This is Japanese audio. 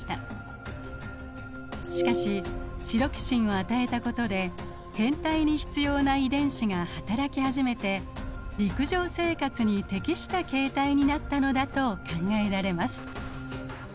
しかしチロキシンを与えたことで変態に必要な遺伝子がはたらき始めて陸上生活に適した形態になったのだと考えられます。